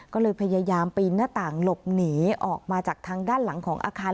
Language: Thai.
ก็เลยพยายามปีนหน้าต่างหลบหนีออกมาจากทางด้านหลังของอาคาร